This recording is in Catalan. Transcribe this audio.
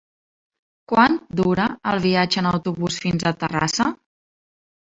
Quant dura el viatge en autobús fins a Terrassa?